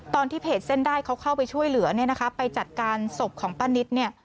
ตอนที่เพจเส้นด้ายเขาเข้าไปช่วยเหลือไปจัดการศพของป้านิต